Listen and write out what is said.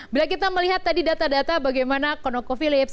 bila kita melihat tadi data data bagaimana konocophillips